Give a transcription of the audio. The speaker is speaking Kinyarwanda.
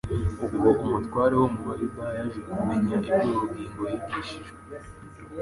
ubwo umutware wo mu Bayuda yaje kumenya iby’ubugingo yigishijwe